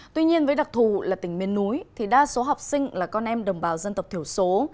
tuy nhiên với đặc thù là tỉnh miền núi thì đa số học sinh là con em đồng bào dân tộc thiểu số